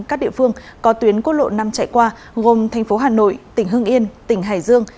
các địa phương có tuyến quốc lộ năm chạy qua gồm thành phố hà nội tỉnh hưng yên tỉnh hải dương